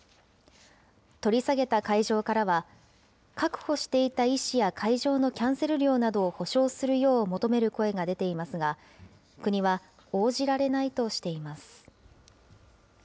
取り下げた会場からは、確保していた医師や会場のキャンセル料などを補償するよう求める声が出ていますが、国は、応じられないとしています。